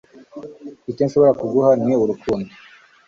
Icyo nshobora kuguha ni urukundo